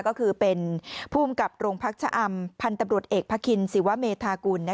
ก็คือเป็นภูมิกับโรงพักชะอำพันธ์ตำรวจเอกพระคินศิวะเมธากุล